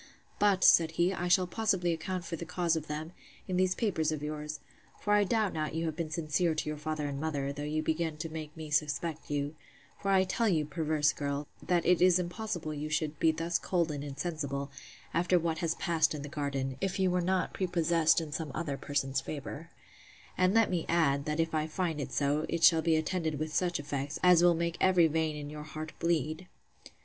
But, said he, I shall possibly account for the cause of them, in these papers of yours; for I doubt not you have been sincere to your father and mother, though you begin to make me suspect you: For I tell you, perverse girl, that it is impossible you should be thus cold and insensible, after what has passed in the garden, if you were not prepossessed in some other person's favour: And let me add, that if I find it so, it shall be attended with such effects, as will make every vein in your heart bleed.